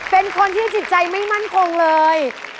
เป็นคนที่จิตใจไม่มั่นคงเลย